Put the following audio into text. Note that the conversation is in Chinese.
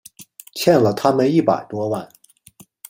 欠了他们一百多万